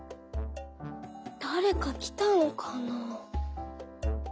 だれかきたのかな？」。